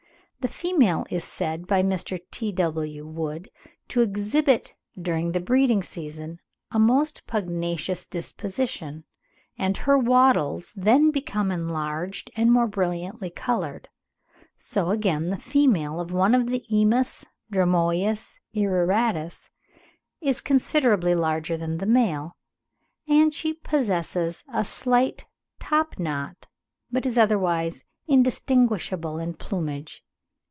The female is said by Mr. T.W. Wood (22. The 'Student,' April 1870, p. 124.) to exhibit during the breeding season a most pugnacious disposition; and her wattles then become enlarged and more brilliantly coloured. So again the female of one of the emus (Dromoeus irroratus) is considerably larger than the male, and she possesses a slight top knot, but is otherwise indistinguishable in plumage.